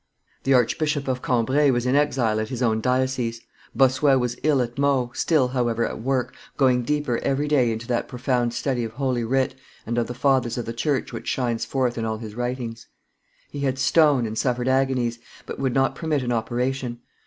The Archbishop of Cambrai was in exile at his own diocese; Bossuet was ill at Meaux, still, however, at work, going deeper every day into that profound study of Holy Writ and of the fathers of the church which shines forth in all his writings. He had stone, and suffered agonies, but would not permit an operation.